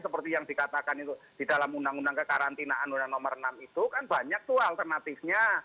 seperti yang dikatakan itu di dalam undang undang kekarantinaan undang nomor enam itu kan banyak tuh alternatifnya